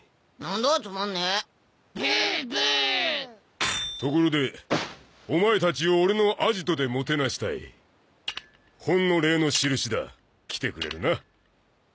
だァつまんねえブーブーところでお前たちを俺のアジトでもてなしたいほんの礼の印だ来てくれるな？